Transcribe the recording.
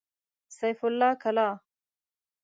سيف الله کلا